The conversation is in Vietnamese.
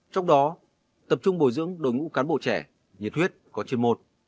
trong đó tập trung bồi dưỡng đội ngũ cán bộ trẻ nhiệt huyết có trên một